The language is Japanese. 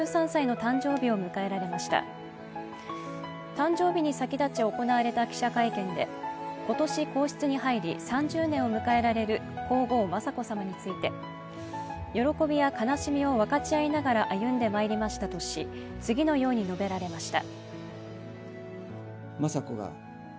誕生日に先立ち行われた記者会見で今年、皇室に入り、３０年を迎えられる皇后・雅子さまについて喜びや悲しみを分かち合いながら歩んでまいりましたとし、次のように述べられました。